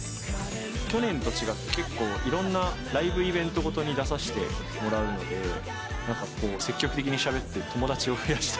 去年と違って結構いろんなライブイベント事に出させてもらうので積極的にしゃべって。